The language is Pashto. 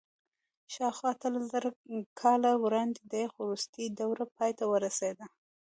شاوخوا اتلسزره کاله وړاندې د یخ وروستۍ دوره پای ته ورسېده.